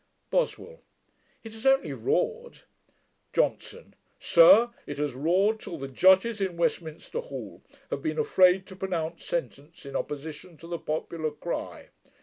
BOSWELL. 'It has only roared.' JOHNSON. 'Sir, it has roared, till the Judges in Westminster Hall have been afraid to pronounce sentence in opposition to the popular cry.